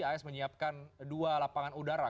as menyiapkan dua lapangan udara